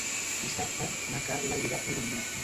Dissabte na Carla irà a Polinyà.